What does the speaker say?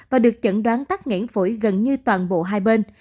và được chẩn đoán tắc nghẽn phổi gần như toàn bộ hai bên